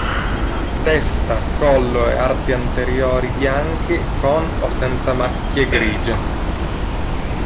Testa, collo e arti anteriori bianchi, con o senza macchie grigie.